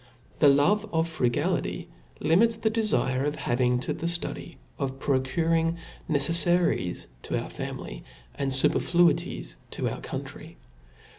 The love of frugality limits the dtfin of having to the ftudy of procuring neceffaries to our family, and fuperfiuities to our country.